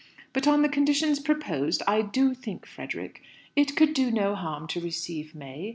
But, on the conditions proposed, I do think, Frederick, it could do no harm to receive May.